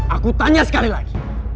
aku tanya sekali lagi